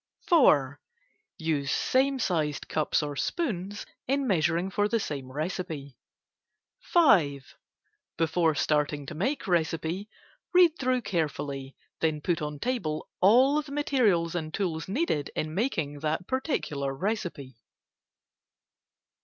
4. Use same sized cups or spoons in measuring for the same recipe. 5. Before starting to make recipe, read through carefully, then put on table all the materials and tools needed in making that particular recipe.